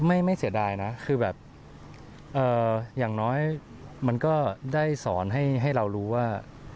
ไม่เสียดายนะคือแบบอย่างน้อยมันก็ได้สอนให้เรารู้ว่า